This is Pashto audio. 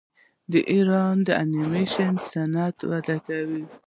د ایران انیمیشن صنعت وده کوي.